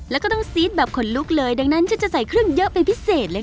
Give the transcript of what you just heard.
แล้วก็ต้องซี๊ดแบบขนลุกเลยดังนั้นฉันจะใส่เครื่องเยอะเป็นพิเศษเลยค่ะ